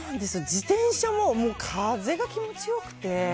自転車も風が気持ちよくて。